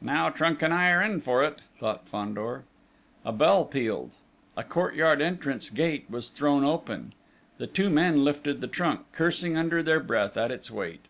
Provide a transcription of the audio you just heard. "Now trunk and I are in for it!" thought Fandor. A bell pealed. A courtyard entrance gate was thrown open. The two men lifted the trunk, cursing under their breath at its weight.